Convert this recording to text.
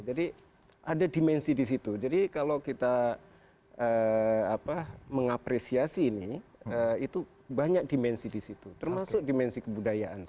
jadi ada dimensi di situ jadi kalau kita mengapresiasi ini itu banyak dimensi di situ termasuk dimensi kebudayaan